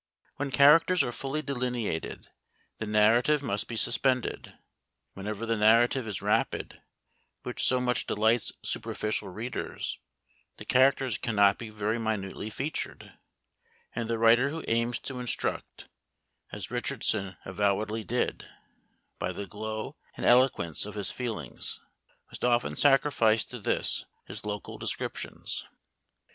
When characters are fully delineated, the narrative must be suspended. Whenever the narrative is rapid, which so much delights superficial readers, the characters cannot be very minutely featured; and the writer who aims to instruct (as Richardson avowedly did) by the glow and eloquence of his feelings, must often sacrifice to this his local descriptions.